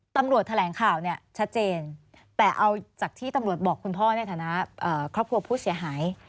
ตำรวจแถลงข่าวเนี่ยชัดเจนแต่เอาจากที่ตำรวจบอกคุณพ่อในฐานะครอบครัวผู้เสียหาย